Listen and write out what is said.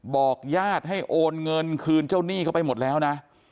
บอกญาติให้โอนเงินคืนเจ้าหนี้เข้าไปหมดแล้วนะ